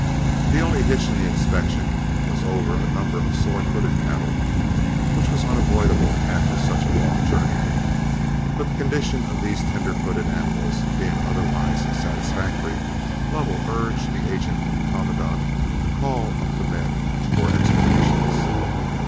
The only hitch in the inspection was over a number of sore footed cattle, which was unavoidable after such a long journey. But the condition of these tender footed animals being otherwise satisfactory, Lovell urged the agent and commandant to call up the men for explanations.